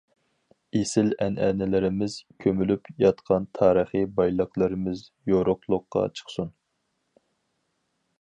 ئېسىل ئەنئەنىلىرىمىز، كۆمۈلۈپ ياتقان تارىخى بايلىقلىرىمىز يورۇقلۇققا چىقسۇن.